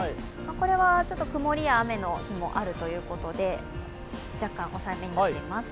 これは曇りや雨の日もあるということで若干抑えめになっています。